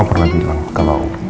terus wiringurer untuk apa